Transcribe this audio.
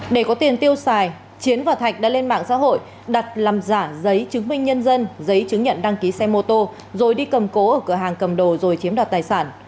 để có tiền tiêu xài chiến và thạch đã lên mạng xã hội đặt làm giả giấy chứng minh nhân dân giấy chứng nhận đăng ký xe mô tô rồi đi cầm cố ở cửa hàng cầm đồ rồi chiếm đoạt tài sản